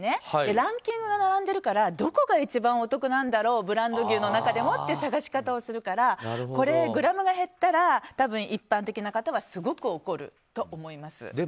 ランキングが並んでるからどこが一番お得なんだろうブランド牛の中でもっていう探し方をするからこれ、グラムが減ったら多分、一般的な方はすごく怒ると思います。